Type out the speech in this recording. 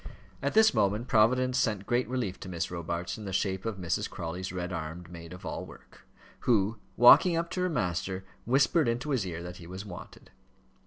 At this moment Providence sent great relief to Miss Robarts in the shape of Mrs. Crawley's red armed maid of all work, who, walking up to her master, whispered into his ear that he was wanted.